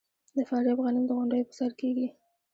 د فاریاب غنم د غونډیو په سر کیږي.